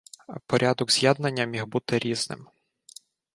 Порядок з'єднання міг бути різним.